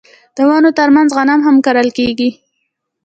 د ونو ترمنځ غنم هم کرل کیږي.